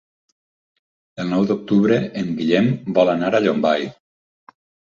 El nou d'octubre en Guillem vol anar a Llombai.